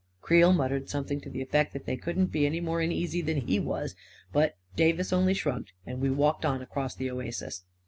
Creel muttered something to the effect that they couldn't be any more uneasy than he was, but Davis only shrugged, and we walked on across the oasis.